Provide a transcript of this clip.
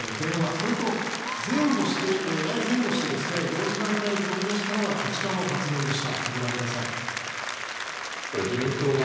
それと前後して同時間帯に飛び出したのがこちらの発言でした。